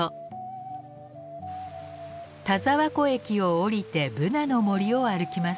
田沢湖駅を降りてブナの森を歩きます。